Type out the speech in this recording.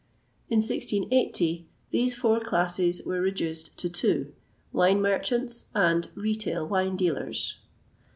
[XXVIII 165] In 1680 these four classes were reduced to two wine merchants and retail wine dealers.